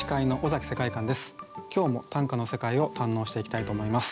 今日も短歌の世界を堪能していきたいと思います。